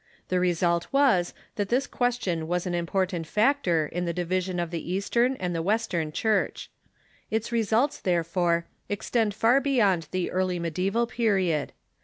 The result was, that this question was an important factor in the division of the Eastern and the AVest ern Church. Its results, therefore, extended far beyond the early mediaeval period.